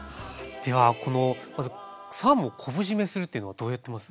ではこのまずサーモンを昆布じめするっていうのはどうやってます？